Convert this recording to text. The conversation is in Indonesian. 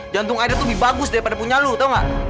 jantung aida tuh lebih bagus daripada punya lu tau gak